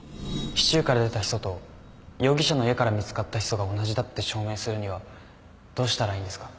シチューから出たヒ素と容疑者の家から見つかったヒ素が同じだって証明するにはどうしたらいいんですか？